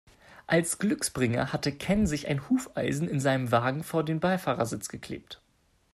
Als Glücksbringer hatte Ken sich ein Hufeisen in seinem Wagen vor den Beifahrersitz geklebt.